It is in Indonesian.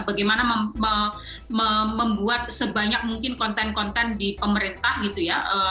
bagaimana membuat sebanyak mungkin konten konten di pemerintah gitu ya